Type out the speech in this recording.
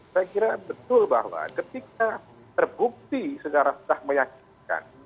saya kira betul bahwa ketika terbukti secara sah meyakinkan